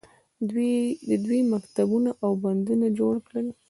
دوی مکتبونه او بندونه جوړ کړل.